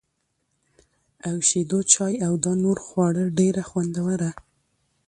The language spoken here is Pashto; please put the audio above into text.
او شېدو چای او دانور خواړه ډېره خوندوره